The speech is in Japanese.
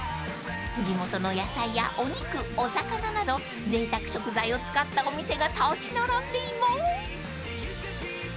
［地元の野菜やお肉お魚などぜいたく食材を使ったお店が立ち並んでいます］